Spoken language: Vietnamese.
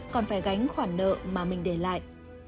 còn phải gánh khoản nợ mà mình để lại